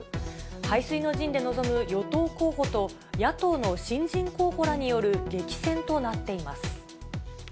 背水の陣で臨む与党候補と、野党の新人候補らによる激戦となっています。